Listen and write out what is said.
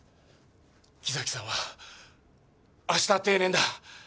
木崎さんは明日定年だ。